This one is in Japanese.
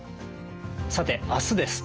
さて明日です。